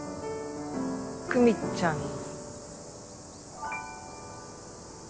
久美ちゃんに？